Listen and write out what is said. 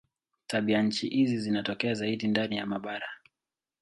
Tabianchi hizi zinatokea zaidi ndani ya mabara.